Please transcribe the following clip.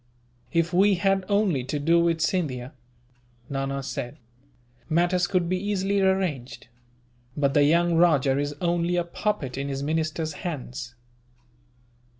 "If we had only to do with Scindia," Nana said, "matters could be easily arranged; but the young rajah is only a puppet in his minister's hands."